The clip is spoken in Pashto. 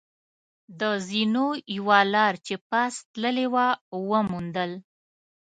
د زینو یوه لار چې پاس تللې وه، و موندل.